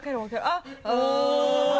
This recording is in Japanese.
あっ。